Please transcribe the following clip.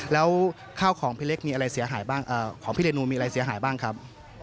แล้วข้าวของพี่เรนูมีอะไรเสียหายบ้างครับ